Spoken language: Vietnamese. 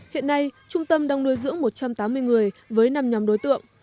hiện nay trung tâm đang nuôi dưỡng một trăm tám mươi người với năm nhóm đối tượng